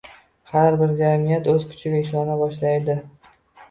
Har bir jamiyat o‘z kuchiga ishona boshlaydi